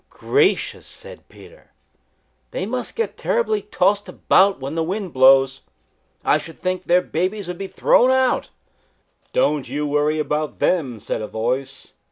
"Gracious!" said Peter. "They must get terribly tossed about when the wind blows. I should think their babies would be thrown out." "Don't you worry about them," said a voice.